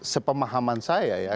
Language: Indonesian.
sepemahaman saya ya